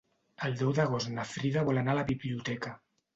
El deu d'agost na Frida vol anar a la biblioteca.